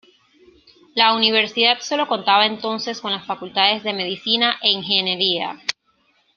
La universidad sólo contaba entonces con las facultades de medicina e ingeniería.